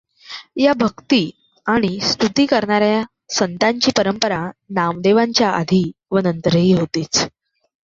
त्याची भक्ती आणि स्तुती करणार् या संतांची परंपरा नामदेवांच्या आधी व नंतरही होतीच.